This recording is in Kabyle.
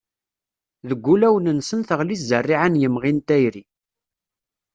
Deg wulawen-nsen teɣli zzerriɛa n yimɣi n tayri.